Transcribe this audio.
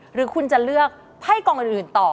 หรือคุณจะเลือกไพ่กองอื่นต่อ